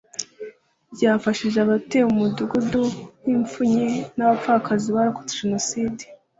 ryafashije abatuye mu mudugudu w’Imfunyi n’abapfakazi barokotse Jenoside